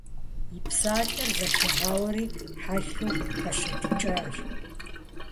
И псалъэр зэпигъэури, хьэлъэу хэщэтыкӀащ.